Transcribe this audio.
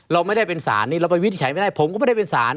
เราไม่ได้เป็นศาลนี่เราไปวินิจฉัยไม่ได้ผมก็ไม่ได้เป็นสาร